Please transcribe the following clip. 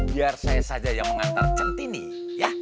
biar saya saja yang mengantar centini ya